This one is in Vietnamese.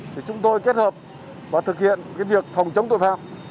thì chúng tôi kết hợp và thực hiện việc phòng chống tội phạm